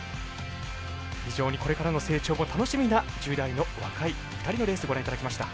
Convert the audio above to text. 非常にこれからの成長も楽しみな１０代の若い２人のレースご覧いただきました。